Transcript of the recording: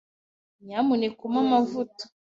Nyamuneka umpe amavuta.